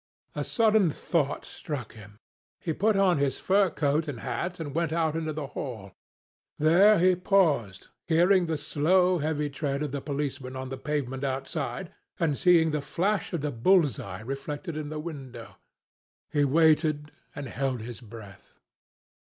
A sudden thought struck him. He put on his fur coat and hat and went out into the hall. There he paused, hearing the slow heavy tread of the policeman on the pavement outside and seeing the flash of the bull's eye reflected in the window. He waited and held his breath.